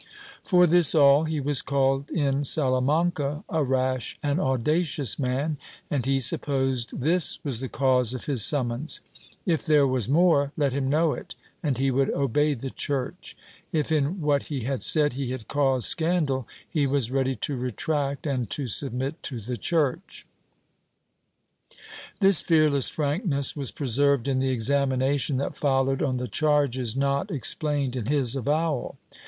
For this all he was called in Salamanca a rash and audacious man, and he suj^posed this was the cause of his summons; if there was more, let him know it and he would obey the Church; if in what he had said he had caused scandal, he was ready to retract and to sul^mit to the Church.^ This fearless frankness was preserved in the examination that followed on the charges not explained in his avowal.